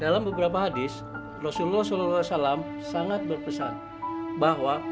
dalam beberapa hadis rasulullah saw sangat berpesan bahwa